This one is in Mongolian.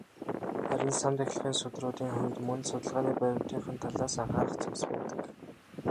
Харин "сан тахилгын судруудын" хувьд мөн л судалгааны баримтынх нь талаас анхаарах зүйлс байдаг.